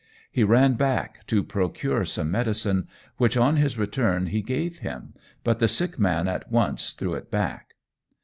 He ran back to procure some medicine, which on his return he gave him, but the sick man at once threw it back.